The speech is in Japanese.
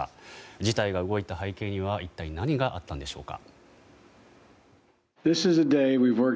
事態が動いた背景には一体何があったのでしょうか。